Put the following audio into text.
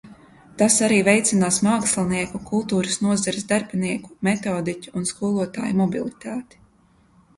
Tas arī veicinās mākslinieku, kultūras nozares darbinieku, metodiķu un skolotāju mobilitāti.